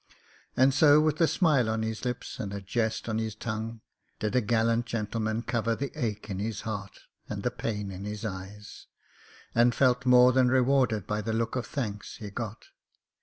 And so with a smile on his lips and a jest on his tongue did a gallant gentleman cover the ache in his heart and the pain in his eyes, and felt more than re warded by the look of thanks he got.